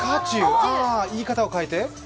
言い方を変えて？